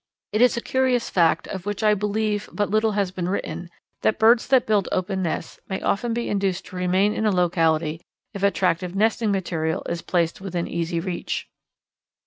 It is a curious fact, of which I believe but little has been written, that birds that build open nests may often be induced to remain in a locality if attractive nesting material is placed within easy reach.